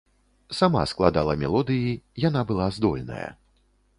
Сама складала мелодыі, яна была здольная.